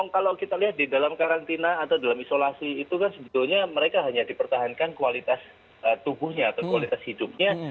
kalau kita lihat di dalam karantina atau dalam isolasi itu kan sebetulnya mereka hanya dipertahankan kualitas tubuhnya atau kualitas hidupnya